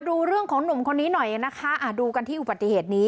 ดูเรื่องของหนุ่มคนนี้หน่อยนะคะดูกันที่อุบัติเหตุนี้